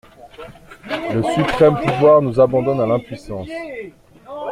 Le suprême pouvoir nous abandonne à l'impuissance.